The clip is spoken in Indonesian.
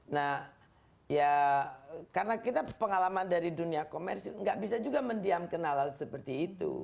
nah ya karena kita pengalaman dari dunia komersil nggak bisa juga mendiam kenalan seperti itu